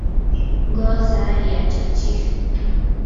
qusaa yachachiqmi.